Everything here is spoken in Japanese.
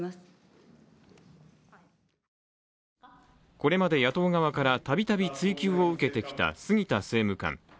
これまで野党側からたびたび追及を受けてきた杉田政務官。